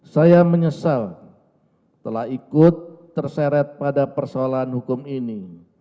saya menyesal telah ikut terseret pada persoalan hukum ini